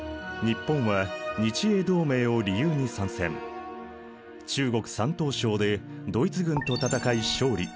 実はね中国・山東省でドイツ軍と戦い勝利。